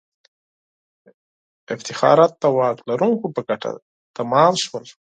افتخارات د واک لرونکو په ګټه تمام سول.